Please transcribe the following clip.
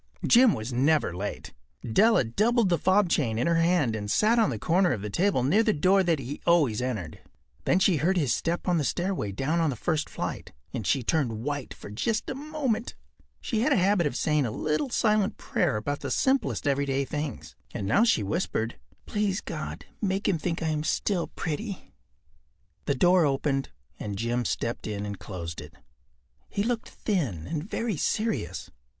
Jim was never late. Della doubled the fob chain in her hand and sat on the corner of the table near the door that he always entered. Then she heard his step on the stair away down on the first flight, and she turned white for just a moment. She had a habit of saying a little silent prayer about the simplest everyday things, and now she whispered: “Please God, make him think I am still pretty.” The door opened and Jim stepped in and closed it. He looked thin and very serious.